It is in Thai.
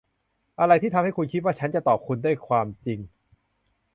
อะไรที่ทำให้คุณคิดว่าฉันจะตอบคุณด้วยความจริง ?